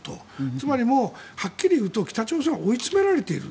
だから、はっきり言うと北朝鮮は追い詰められている。